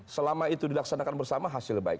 selama itu dilaksanakan bersama hasil baik